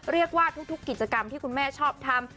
เรียกว่าทุกกิจกรรมที่คุณแม่ชอบทำ